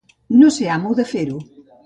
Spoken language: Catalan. No ser amo de fer-ho.